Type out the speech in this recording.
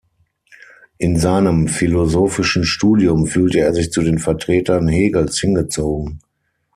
In seinem philosophischen Studium fühlte er sich zu den Vertretern Hegels hingezogen.